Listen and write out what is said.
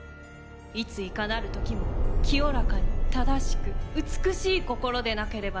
いついかなる時も清らかに正しく美しい心でなければなりません。